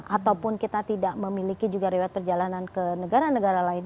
ataupun kita tidak memiliki juga riwayat perjalanan ke negara negara lain